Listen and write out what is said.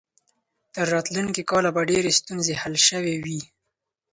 تر راتلونکي کاله به ډېرې ستونزې حل شوې وي.